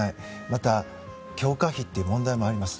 また、強化費という問題もあります。